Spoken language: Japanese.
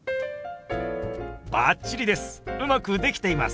バッチリです！